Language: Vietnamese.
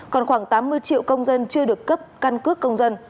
còn khoảng tám mươi triệu công dân chưa được cấp căn cước công dân